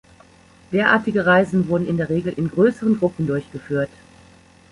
Derartige Reisen wurden in der Regel in größeren Gruppen durchgeführt.